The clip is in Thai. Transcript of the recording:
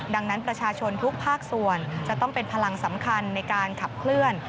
ดังนั้นประชาชนทุกภาคส่วนจะต้องเป็นพลังสำคัญในการขับเคลื่อน